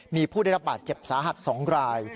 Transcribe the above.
มีผู้ได้รับบาดเจ็บสาหัส๒ราย